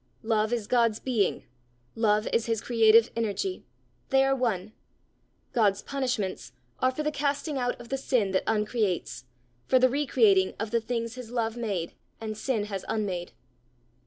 Love is God's being; love is his creative energy; they are one: God's punishments are for the casting out of the sin that uncreates, for the recreating of the things his love made and sin has unmade.